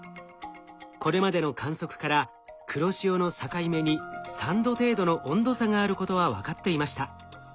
これまでの観測から黒潮の境目に３℃程度の温度差があることは分かっていました。